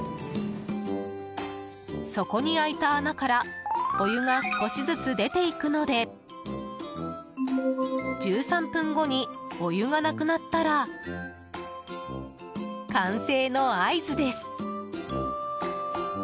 底に開いた穴からお湯が少しずつ出ていくので１３分後にお湯がなくなったら完成の合図です。